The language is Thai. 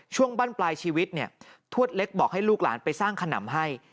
บ้านปลายชีวิตเนี่ยทวดเล็กบอกให้ลูกหลานไปสร้างขนำให้